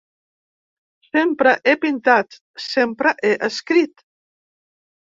Sempre he pintat, sempre he escrit.